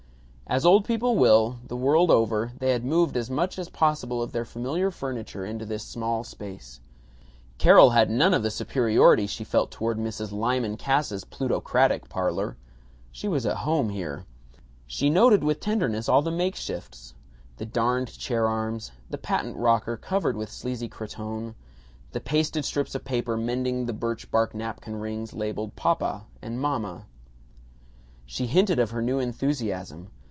As old people will, the world over, they had moved as much as possible of their familiar furniture into this small space. Carol had none of the superiority she felt toward Mrs. Lyman Cass's plutocratic parlor. She was at home here. She noted with tenderness all the makeshifts: the darned chair arms, the patent rocker covered with sleazy cretonne, the pasted strips of paper mending the birch bark napkin rings labeled "Papa" and "Mama." She hinted of her new enthusiasm.